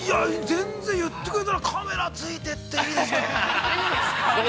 ◆全然、言ってくれたら、カメラついていっていいですかー？